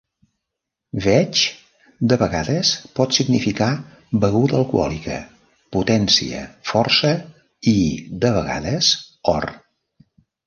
"Veig" de vegades pot significar "beguda alcohòlica", "potència, força" i, de vegades, "or".